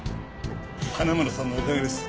花村さんのおかげです。